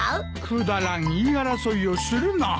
くだらん言い争いをするな。